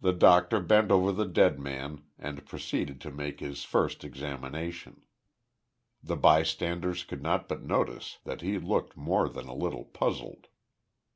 The doctor bent over the dead man and proceeded to make his first examination. The bystanders could not but notice that he looked more than a little puzzled.